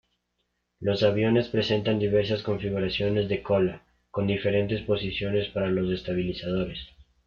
Los aviones presentan diversas configuraciones de cola, con diferentes posiciones para los estabilizadores.